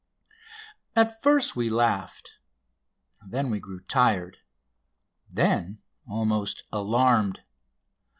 At first we laughed. Then we grew tired. Then almost alarmed.